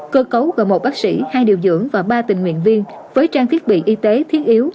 cơ cấu gồm một bác sĩ hai điều dưỡng và ba tình nguyện viên với trang thiết bị y tế thiết yếu